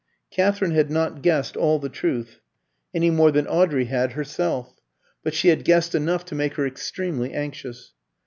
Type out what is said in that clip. Katherine had not guessed all the truth, any more than Audrey had herself; but she had guessed enough to make her extremely anxious.